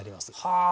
はあ！